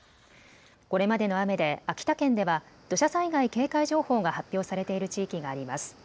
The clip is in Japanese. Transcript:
これまでの雨で秋田県では土砂災害警戒情報が発表されている地域があります。